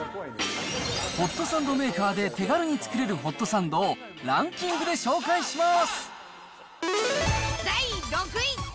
ホットサンドメーカーで手軽に作れるホットサンドを、ランキングで紹介します。